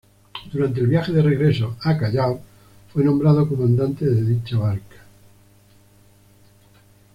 Durante el viaje de regreso al Callao, fue nombrado comandante de dicha barca.